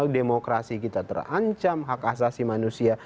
demokrasi kita terancam hak asasi manusia